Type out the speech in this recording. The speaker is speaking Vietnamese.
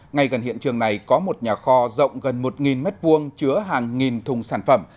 ngay gần hiện trường này có một nhà kho rộng gần một m hai chứa hàng nghìn thùng sản phẩm